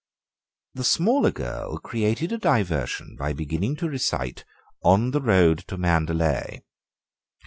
The smaller girl created a diversion by beginning to recite "On the Road to Mandalay."